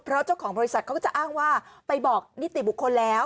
เพราะเจ้าของบริษัทเขาก็จะอ้างว่าไปบอกนิติบุคคลแล้ว